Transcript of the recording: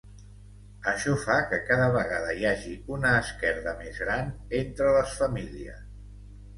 Això fa que cada vegada hi hagi una esquerda més gran entre les famílies.